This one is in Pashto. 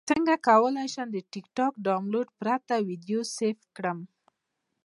څنګه کولی شم د ټکټاک ډاونلوډ پرته ویډیو سیف کړم